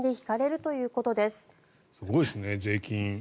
すごいですね、税金。